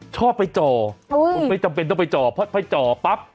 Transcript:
ชอบไปจ่อคุณไม่จำเป็นต้องไปจ่อเพราะไปจ่อปั๊บ